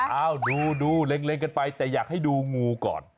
ดูเล็งกันไปแต่อยากให้ดูงูก่อน